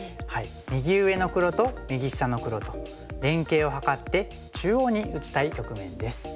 右上の黒と右下の黒と連携を図って中央に打ちたい局面です。